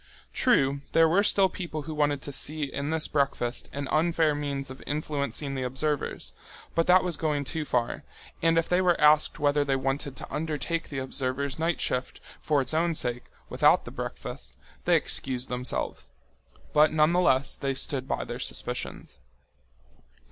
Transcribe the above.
True, there were still people who wanted to see in this breakfast an unfair means of influencing the observers, but that was going too far, and if they were asked whether they wanted to undertake the observers' night shift for its own sake, without the breakfast, they excused themselves. But nonetheless they stood by their suspicions.